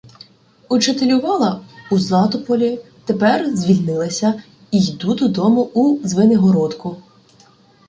Учителювала у Златополі, тепер звільнилася і йду додому у Звенигородку.